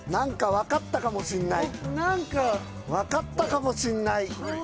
分かったかもしんない。